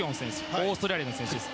オーストラリアの選手です。